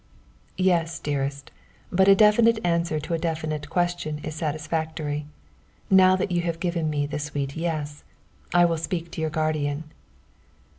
"Yes, dearest, but a definite answer to a definite question is satisfactory; now that you have given me the sweet 'yes,' I will speak to your guardian."